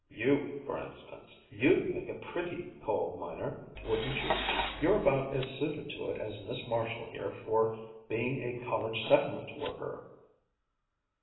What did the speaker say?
You, for instance, you'd make a pretty coal miner, wouldn't you? You're about as suited to it as Miss Marshall here for being a college settlement worker!"